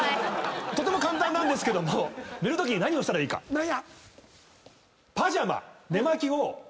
とても簡単なんですけど寝るときに何をしたらいいか。何や？